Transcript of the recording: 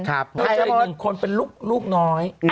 รับจริงคนเป็นลูกน้อย